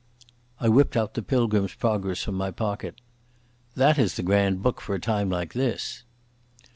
I whipped out the Pilgrim's Progress from my pocket. "That is the grand book for a time like this."